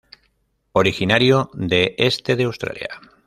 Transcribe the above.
Originario de este de Australia.